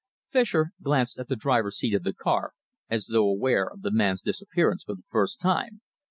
Fischer glanced at the driver's seat of the car, as though aware of the man's disappearance for the first time.